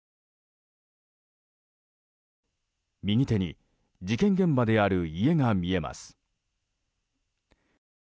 右手に事件現場である家が見えます。